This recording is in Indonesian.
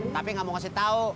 tapi nggak mau kasih tau